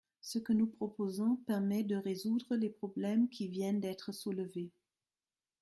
Ce que nous proposons permet de résoudre les problèmes qui viennent d’être soulevés.